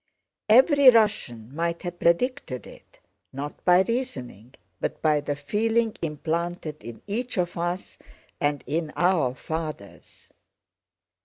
Every Russian might have predicted it, not by reasoning but by the feeling implanted in each of us and in our fathers.